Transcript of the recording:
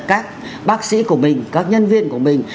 các bác sĩ của mình các nhân viên của mình